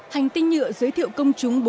hành tinh nhựa giới thiệu công chúng